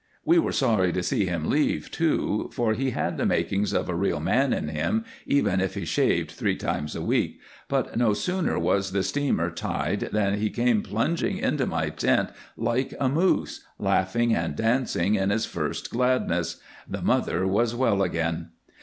We were sorry to see him leave, too, for he had the makings of a real man in him even if he shaved three times a week, but no sooner was the steamer tied than he came plunging into my tent like a moose, laughing and dancing in his first gladness. The mother was well again.